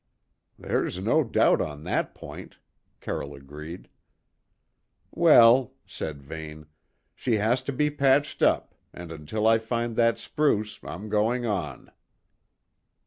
"There's no doubt on that point," Carroll agreed. "Well," said Vane, "she has to be patched up, and until I find that spruce I'm going on."